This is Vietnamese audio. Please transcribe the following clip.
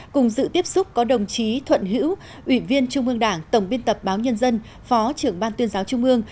cùng dự tiếp xúc có đồng chí thuận hữu ủy viên trung ương đảng tổng biên tập báo nhân dân phó trưởng ban tuyên giáo trung ương